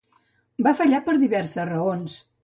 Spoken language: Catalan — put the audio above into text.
Va fallar per diverses raons.